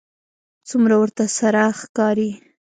څومره ورته سره ښکاري